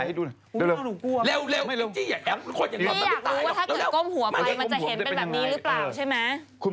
ไม่ถึงว่าลองก้ม